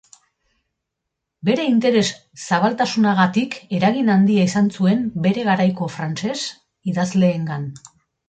Bere interes-zabaltasunagatik eragin handia izan zuen bere garaiko frantses idazleengan.